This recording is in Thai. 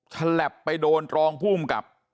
ฉลับไปโดนตรองผู้อุ้มกลับ